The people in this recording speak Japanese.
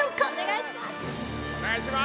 お願いします！